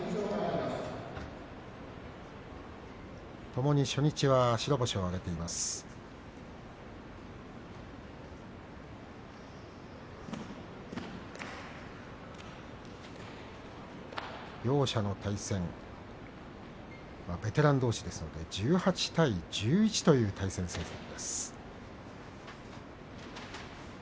ともに初日は白星を挙げています。両者の対戦ベテランどうしですので１８対１１という対戦成績です。